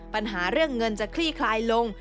ปัญหาเรื่องเงินจะคลี่คลายลง